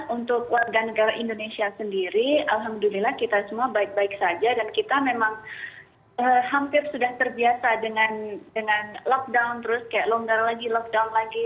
untuk warga negara indonesia sendiri alhamdulillah kita semua baik baik saja dan kita memang hampir sudah terbiasa dengan lockdown terus kayak longgar lagi lockdown lagi